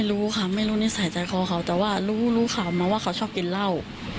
รู้ค่ะไม่รู้นิสัยใจคอเขาแต่ว่ารู้รู้ข่าวมาว่าเขาชอบกินเหล้า